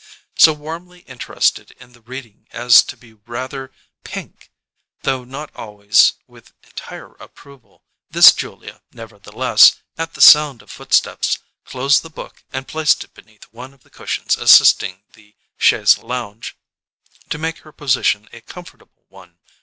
So warmly interested in the reading as to be rather pink, though not always with entire approval, this Julia nevertheless, at the sound of footsteps, closed the book and placed it beneath one of the cushions assisting the chaise longue to make her position a comfortable one.